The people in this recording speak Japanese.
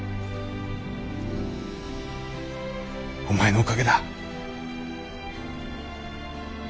お前のおかげだ。